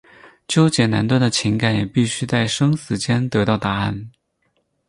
纠结难断的情感也必须在生死间得到答案。